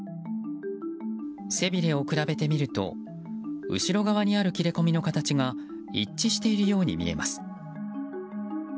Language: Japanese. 背びれを比べてみると後ろ側にある切れ込みの形が一致しているように見えます。